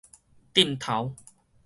頕頭